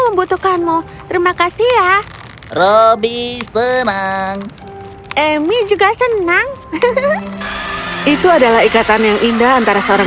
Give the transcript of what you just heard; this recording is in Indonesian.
membutuhkanmu terimakasih ya robby senang ami juga senang detto adalah ikatan yang indah antara seorang